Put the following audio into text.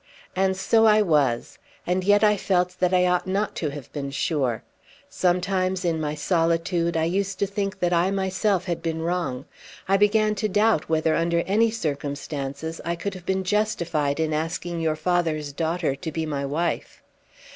"And so I was. And yet I felt that I ought not to have been sure. Sometimes, in my solitude, I used to think that I myself had been wrong. I began to doubt whether under any circumstances I could have been justified in asking your father's daughter to be my wife."